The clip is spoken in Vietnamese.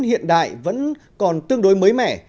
hiện đại vẫn còn tương đối mới mẻ